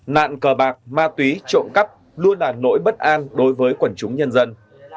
nạn cờ bạc ma túy trộm cắp luôn là nỗi bất an đối với quần chúng nhân dân